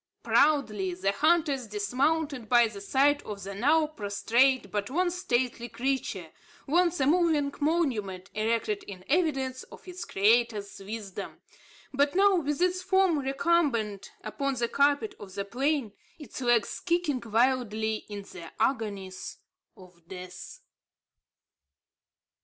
Proudly the hunters dismounted by the side of the now prostrate but once stately creature, once a moving monument, erected in evidence of its Creator's wisdom, but now with its form recumbent upon the carpet of the plain, its legs kicking wildly in the agonies of death.